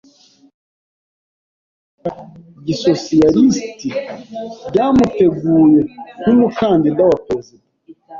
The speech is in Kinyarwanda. Ishyaka rya Gisosiyalisiti ryamuteguye nk'umukandida wa perezida.